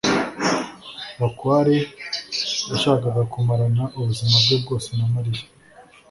bakware yashakaga kumarana ubuzima bwe bwose na mariya